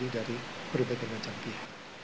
dari perumahan perumahan canggih